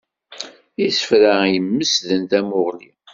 Isefra imesden tamuɣli.